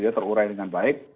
terurai dengan baik